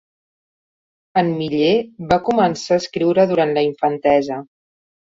En Miller va començar a escriure durant la infantesa.